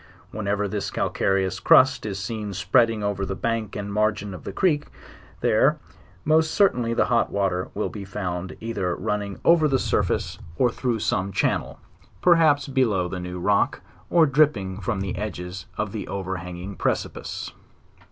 Whenever this ealcareous crust is seen spreading over the bank and margin of the creek, there, most certainly, the hot water will be found either running over the susfaee, LEWIS AND CIARKE. 207 or through some channel, perhaps below the new rock, or dripping from the edges of the overhanging precipice.